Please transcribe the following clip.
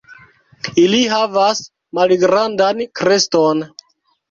Ili havas malgrandan kreston.